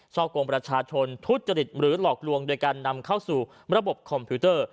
กงประชาชนทุจริตหรือหลอกลวงโดยการนำเข้าสู่ระบบคอมพิวเตอร์